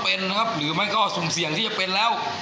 เป็นนะครับหรือมันก็สุ่มเสี่ยงที่จะเป็นแล้ว